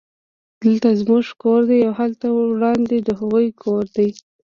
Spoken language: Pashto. دلته زموږ کور دی او هلته وړاندې د هغوی کور دی